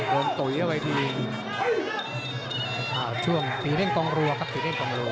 โรมตุ๋ยัวไหวทีโอ้ช่วงปีเร่งกองรัวครับปีเร่งกองรัว